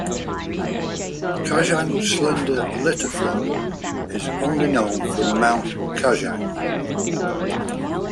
Kajang slender litter frog is only known from Mount Kajang.